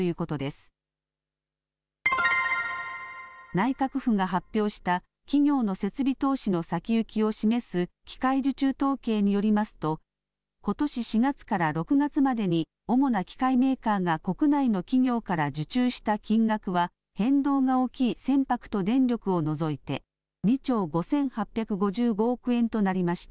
内閣府が発表した企業の設備投資の先行きを示す機械受注統計によりますと、ことし４月から６月までに、主な機械メーカーが国内の企業から受注した金額は、変動が大きい船舶と電力を除いて、２兆５８５５億円となりました。